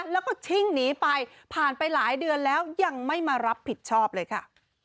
แล้วก็ชิ่งหนีไปผ่านไปหลายเดือนแล้วยังไม่มารับผิดชอบเลยค่ะ